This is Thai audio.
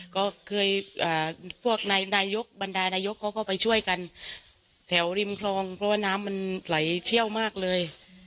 ก็เคยพวกนายกบรรดานายกเขาก็ไปช่วยกันแถวริมคลองเพราะว่าน้ำมันไหลเชี่ยวมากเลย